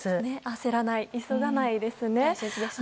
焦らない、急がないですね。